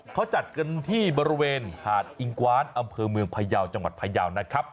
เขาจัดกันที่บริเวณหาดอิงกวานอำเภอเมืองพยาวจังหวัดพยาวนะครับ